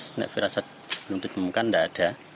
saya tidak pernah ditemukan tidak ada